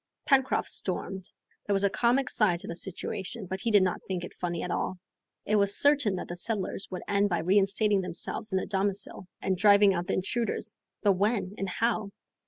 Pencroft stormed. There was a comic side to the situation, but he did not think it funny at all. It was certain that the settlers would end by reinstating themselves in their domicile and driving out the intruders, but when and how?